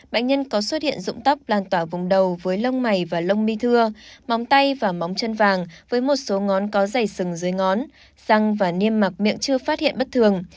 bệnh nhân có xuất hiện dụng tóc lan tỏa vùng đầu với lông mày và lông mi thưa móng tay và móng chân vàng với một số ngón có dày sừng dưới ngón răng và niêm mạc miệng chưa phát hiện bất thường